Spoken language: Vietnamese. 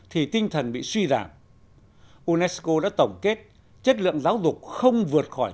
thì tinh thần bị suy giảm unesco đã tổng kết chất lượng giáo dục không vượt khỏi